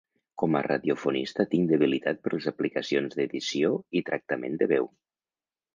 Com a radiofonista tinc debilitat per les aplicacions d’edició i tractament de veu.